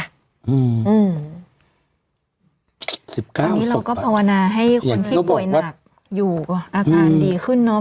อันนี้เราก็ภาวนาให้คนที่ป่วยหนักอยู่อาการดีขึ้นเนอะ